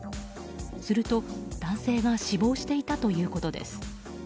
すると、男性が死亡していたということです。